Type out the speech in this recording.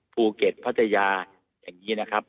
ภูเก็ตพัทยาอย่างนี้นะครับ